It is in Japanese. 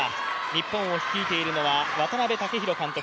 日本を率いているのは渡辺武弘監督。